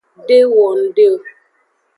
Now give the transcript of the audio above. De wo ngde o.